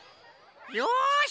よし！